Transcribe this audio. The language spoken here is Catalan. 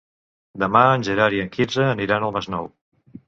Demà en Gerard i en Quirze aniran al Masnou.